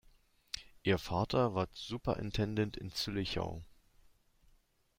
Ihr Vater war Superintendent in Züllichau.